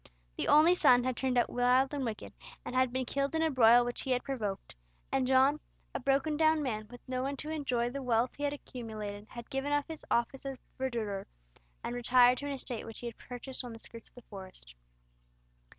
The only son had turned out wild and wicked, and had been killed in a broil which he had provoked: and John, a broken down man, with no one to enjoy the wealth he had accumulated, had given up his office as verdurer, and retired to an estate which he had purchased on the skirts of the Forest.